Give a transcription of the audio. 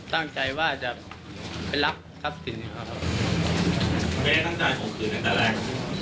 ตั้งใจว่าจะไปรับทรัพย์สิ่งนี้ครับครับ